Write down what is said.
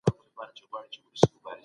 د وريښمو لار له افغانستان څخه تېرېده.